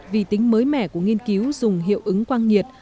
vì tính mới mẻ của nghiên cứu dùng hiệu ứng quang nhiệt